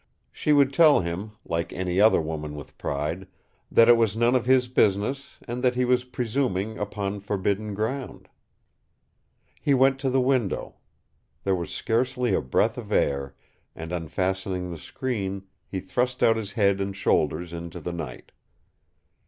She would tell him, like any other woman with pride, that it was none of his business and that he was presuming upon forbidden ground. He went to the window. There was scarcely a breath of air, and unfastening the screen, he thrust out his head and shoulders into the night.